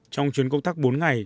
trong chuyến công tác bốn ngày